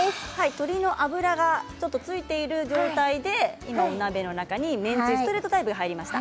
鶏の脂がついている状態でめんつゆストレートタイプが入りました。